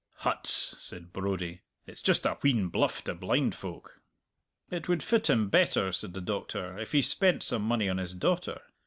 "Huts!" said Brodie, "it's just a wheen bluff to blind folk!" "It would fit him better," said the Doctor, "if he spent some money on his daughter.